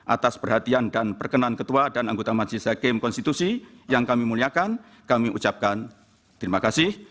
atas perhatian dan perkenan ketua dan anggota majelis hakim konstitusi yang kami muliakan kami ucapkan terima kasih